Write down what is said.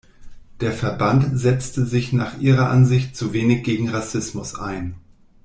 Der Verband setzte sich nach ihrer Ansicht zu wenig gegen Rassismus ein.